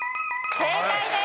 正解です。